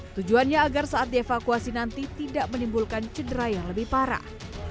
tujuannya agar saat dievakuasi nanti tidak menimbulkan cedera yang lebih parah